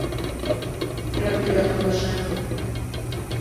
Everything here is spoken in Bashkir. Трактор яҡынлаша.